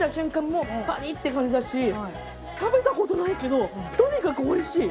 もうパリッて感じだし食べた事ないけどとにかくおいしい。